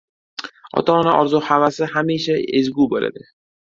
Ota-ona orzu-havasi hamisha ezgu bo‘ladi.